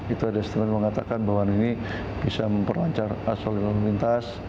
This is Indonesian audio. itu ada statement mengatakan bahwa ini bisa memperlancar asoli lalu lintas